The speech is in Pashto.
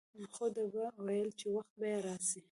خو ده به ويل چې وخت به يې راسي.